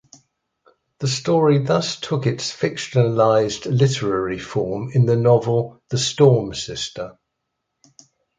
The story thus took its fictionalized literary form in the novel "The Storm Sister".